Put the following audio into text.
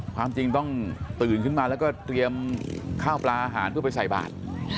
ความจริงต้องตื่นขึ้นมาแล้วก็เตรียมข้าวปลาอาหารเพื่อไปใส่บาท